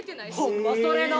ホンマそれな。